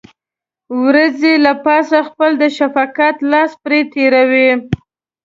وريځې له پاسه خپل د شفقت لاس پرې تېروي.